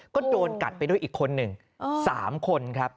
ก็โดนกัดไปด้วยอีกคนหนึ่ง๓คนครับ